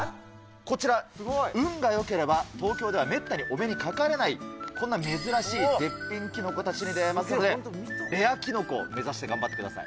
こちら、運がよければ東京ではめったにお目のかかれない、こんな珍しい絶品キノコたちに出会えますので、レアキノコ目指して頑張ってください。